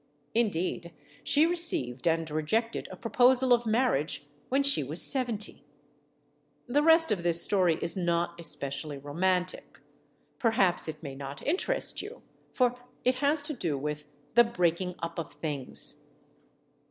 Indeed, she re ceived and rejected a proposal of marriage when she was seventy. The rest of this story is not especially romantic. Per haps it may not interest you. For it has to do with "the breaking up of things."